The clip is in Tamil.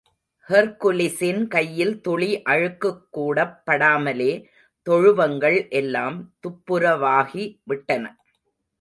ஹெர்க்குலிஸின் கையில் துளி அழுக்குக்கூடப் படாமலே, தொழுவங்கள் எல்லாம் துப்புரவாகி விட்டன.